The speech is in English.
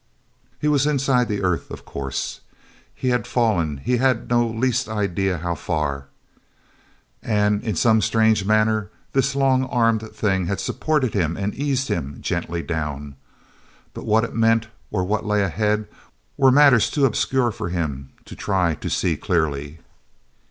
He was inside the earth, of course; he had fallen he had no least idea how far; and, in some strange manner, this long armed thing had supported him and eased him gently down. But what it meant or what lay ahead were matters too obscure for him to try to see clearly.